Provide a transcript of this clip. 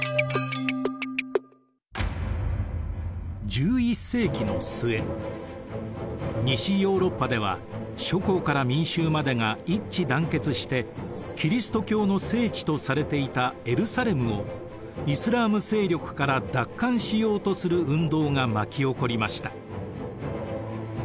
１１世紀の末西ヨーロッパでは諸侯から民衆までが一致団結してキリスト教の聖地とされていたエルサレムをイスラーム勢力から奪還しようとする運動が巻き起こりました。